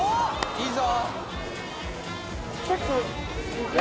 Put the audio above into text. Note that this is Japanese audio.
いいぞ。